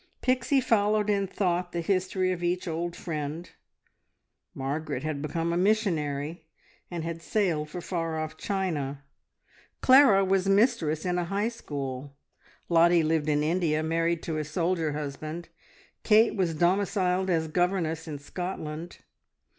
Pixie followed in thought the history of each old friend. Margaret had become a missionary and had sailed for far off China, Clara was mistress in a High School, Lottie lived in India, married to a soldier husband, Kate was domiciled as governess in Scotland.